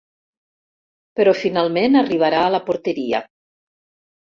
Però finalment arribarà a la porteria.